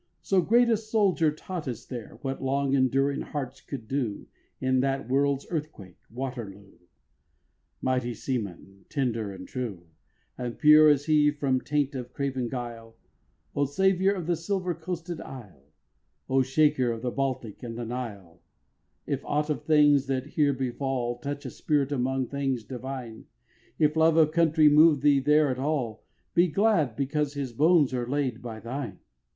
So great a soldier taught us there, What long enduring hearts could do In that world's earthquake, Waterloo! Mighty seaman, tender and true, And pure as he from taint of craven guile, O saviour of the silver coasted isle, O shaker of the Baltic and the Nile, If aught of things that here befall Touch a spirit among things divine, If love of country move thee there at all, Be glad, because his bones are laid by thine!